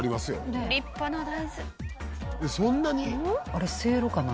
あれせいろかな？